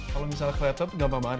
kalau misalnya ke laptop gampang banget